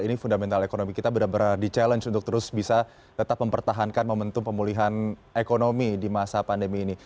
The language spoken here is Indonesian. ini fundamental ekonomi kita benar benar di challenge untuk terus bisa tetap mempertahankan momentum pemulihan ekonomi di masa pandemi ini